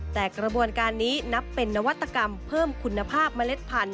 แต่กระบวนการนี้นับเป็นนวัตกรรมเพิ่มคุณภาพเมล็ดพันธุ